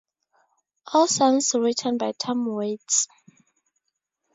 All songs written by Tom Waits.